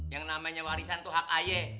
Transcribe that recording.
yang namanya warisan tuh hak ayah